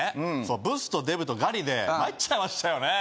ブスとデブとガリで参っちゃいましたよね